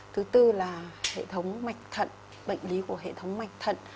thứ tư là hệ thống mạch thận bệnh lý của hệ thống mạch thận